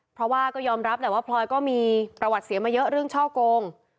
เพราะว่าก็ยอมรับแหละว่าพลอยก็มีประวัติเสียมาเยอะเรื่องช่อโกง